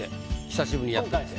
久しぶりにやってみて。